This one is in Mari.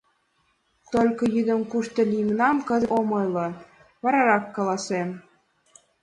Только йӱдым кушто лиймынам кызыт ом ойло, варарак каласем.